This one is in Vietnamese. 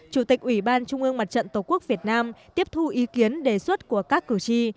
chủ tịch ủy ban trung ương mặt trận tổ quốc việt nam tiếp thu ý kiến đề xuất của các cử tri